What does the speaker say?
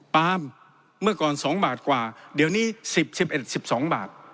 ปาล์มเมื่อก่อน๒บาทกว่าเดี๋ยวนี้๑๐๑๑๑๑๒บาท